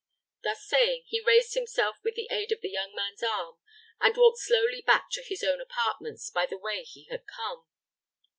Thus saying, he raised himself with the aid of the young man's arm, and walked slowly back to his own apartments by the way he had come.